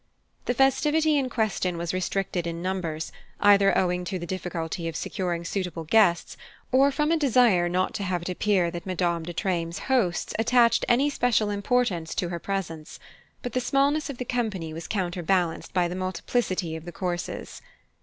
The festivity in question was restricted in numbers, either owing to the difficulty of securing suitable guests, or from a desire not to have it appear that Madame de Treymes' hosts attached any special importance to her presence; but the smallness of the company was counterbalanced by the multiplicity of the courses.